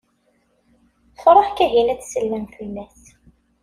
Truḥ Kahina ad tsellem fell-as.